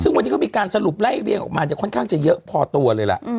ซึ่งวันนี้เขามีการสรุปไล่เรียงออกมาจะค่อนข้างจะเยอะพอตัวเลยล่ะ